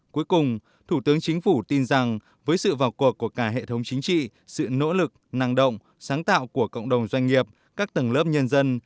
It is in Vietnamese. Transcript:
cuối cùng thủ tướng chính phủ tin rằng với sự vào cuộc của cả hệ thống chính trị sự nỗ lực năng động sáng tạo của cộng đồng doanh nghiệp các tầng lớp nhân dân